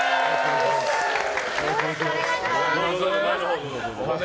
よろしくお願いします。